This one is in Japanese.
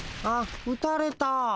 あっ打たれた。